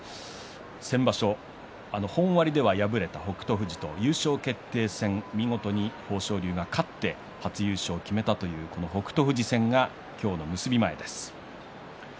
先場所本割では敗れた北勝富士と優勝決定戦見事に豊昇龍が勝って初優勝を決めたというこの北勝富士戦が今日の結び前です。